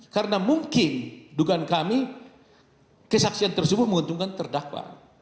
karena mungkin dugaan kami kesaksian tersebut menguntungkan terdakwa